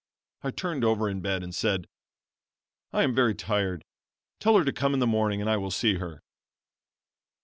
I turned over in bed and said: "'I am very tired, tell her to come in the morning and I will see her.'